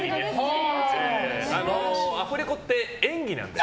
アフレコって、演技なので。